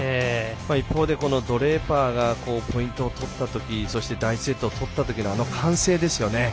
一方で、ドレイパーがポイントをとったときそして第１セットを取ったときの歓声ですよね。